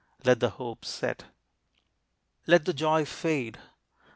Let the hope set! Let the joy fade.